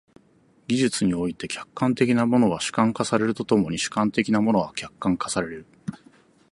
技術において、客観的なものは主観化されると共に主観的なものは客観化される。